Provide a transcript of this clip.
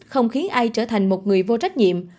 không khí ai trở thành một người vô trách nhiệm